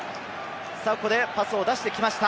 さぁ、ここでパスを出してきました。